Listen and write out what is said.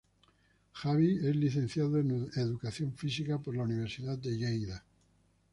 Xavi es Licenciado en Educación Física por la Universidad de Lleida.